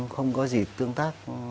không có gì tương tác